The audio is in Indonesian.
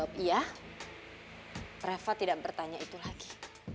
ternyata reva tidak bertanya itu lagi